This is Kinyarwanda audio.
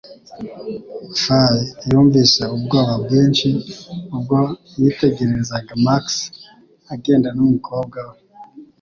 Fay yumvise ubwoba bwinshi ubwo yitegerezaga Max agenda n'umukobwa we